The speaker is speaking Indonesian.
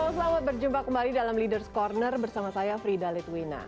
halo selamat berjumpa kembali dalam leaders ⁇ corner bersama saya frida litwina